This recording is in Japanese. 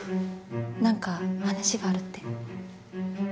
何か話があるって。